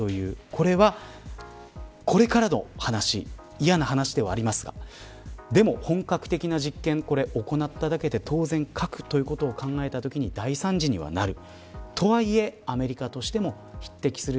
これは、これからの話嫌な話ではありますがでも本格的な実験を行っただけで、当然核ということを考えたときに大惨事にはなる。